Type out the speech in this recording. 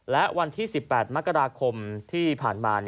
และวันที่๑๘มกราคมที่ผ่านมา